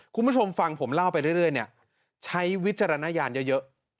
คุณผู้ชมฟังผมเล่าไปเรื่อยเนี่ยใช้วิจารณญาณเยอะ